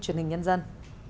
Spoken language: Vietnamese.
truyền hình nhân dân